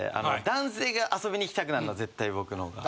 男性が遊びに来たくなるのは絶対僕の方が。